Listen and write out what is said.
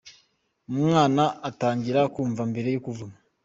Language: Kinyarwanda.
Umwana atangira kumva mbere yo kuvuka